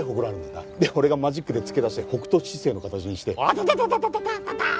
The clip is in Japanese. で俺がマジックで付け足して北斗七星の形にしてアタタタタターッ！